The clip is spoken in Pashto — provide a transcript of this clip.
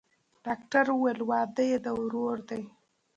ډاکتر وويل واده يې د ورور دىه.